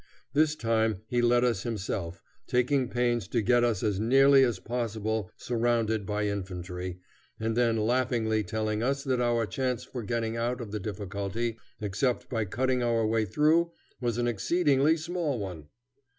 This time he led us himself, taking pains to get us as nearly as possible surrounded by infantry, and then laughingly telling us that our chance for getting out of the difficulty, except by cutting our way through, was an exceedingly small one.